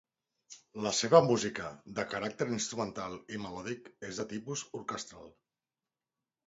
La seva música, de caràcter instrumental i melòdic, és de tipus orquestral.